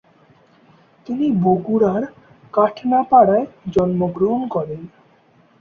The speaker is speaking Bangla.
তিনি বগুড়ার কাটনাপাড়ায় জন্মগ্রহণ করেন।